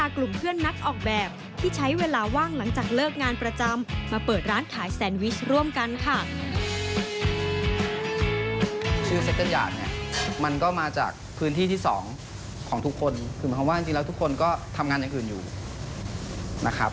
คือหมายความว่าจริงแล้วทุกคนก็ทำงานอย่างอื่นอยู่นะครับ